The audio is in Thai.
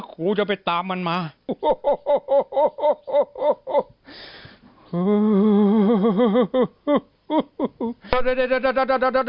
ครูจะไปตามมันมา